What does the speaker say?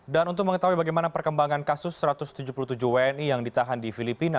dan untuk mengetahui bagaimana perkembangan kasus satu ratus tujuh puluh tujuh wni yang ditahan di filipina